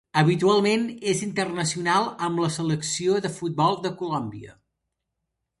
Habitualment és internacional amb la selecció de futbol de Colòmbia.